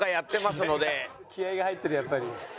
気合が入ってるやっぱり。